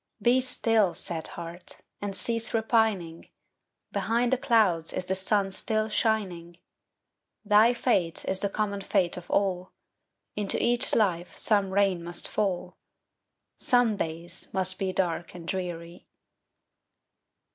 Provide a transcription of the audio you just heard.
Be still, sad heart! and cease repining; Behind the clouds is the sun still shining; Thy fate is the common fate of all, Into each life some rain must fall, Some days must be dark and dreary.